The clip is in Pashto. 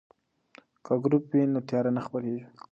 که ګروپ وي نو تیاره نه خپریږي.